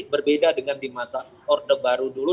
berbeda dengan di masa orde baru dulu